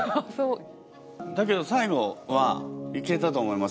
だけど最後はいけたと思います。